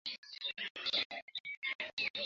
একই রাতে পর্তুগালকেও বিদায় নিতে হবে না তো।